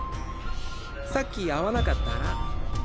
さっき会わなかった？